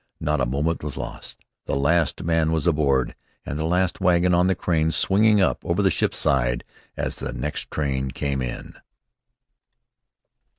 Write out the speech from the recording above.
Not a moment was lost. The last man was aboard and the last wagon on the crane swinging up over the ship's side as the next train came in.